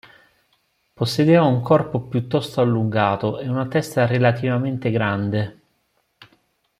Possedeva un corpo piuttosto allungato e una testa relativamente grande.